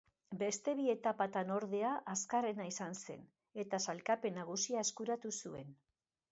Beste bi etapatan ordea azkarrena izan zen, eta sailkapen nagusia eskuratu zuen.